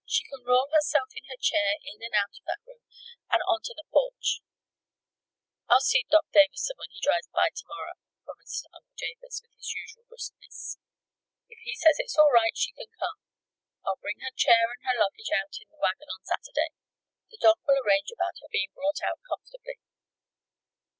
"She kin roll herself in her chair in and out of that room, and onto the porch." "I'll see Doc. Davison when he drives by to morrer," promised Uncle Jabez, with his usual bruskness. "If he says it's all right, she can come. I'll bring her chair and her luggage out in the wagon on Saturday. The Doc. will arrange about her being brought out comfortably."